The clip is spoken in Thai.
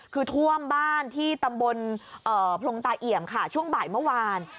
คือท่วมบ้านที่ตำบลพรงตาเอี่ยมค่ะช่วงบ่ายเมื่อวาน